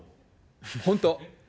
本当。